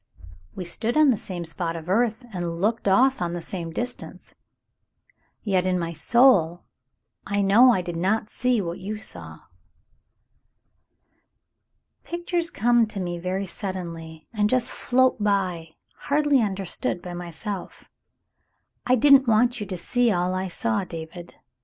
'* "We stood on the same spot of earth and looked off on the same distance, yet in my soul I know I did not see what you saw." "Pictures come to me very suddenly and just float by, hardly understood by myself. I didn't w^ant you to see all I saw, David.